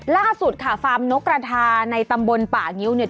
ล่าสุดค่ะฟาร์มนกกระทาในตำบลป่างิ้วเนี่ย